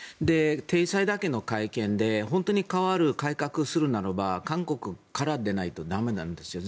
体裁だけの会見で本当に変わる、改革するならば韓国からでないと駄目なんですよ。